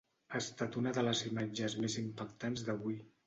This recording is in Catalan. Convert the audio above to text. Ha estat una de les imatges més impactants d’avui.